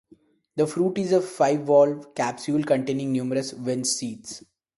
The fruit is a five-valved capsule containing numerous winged seeds.